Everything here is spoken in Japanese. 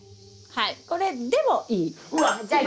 はいこれでもいい。